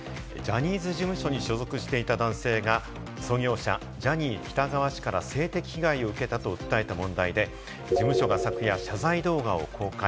ジャニーズ事務所に所属していた男性が創業者・ジャニー喜多川氏から性的被害を受けたと訴えた問題で、事務所が昨夜、謝罪動画を公開。